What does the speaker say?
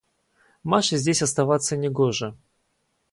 – Маше здесь оставаться не гоже.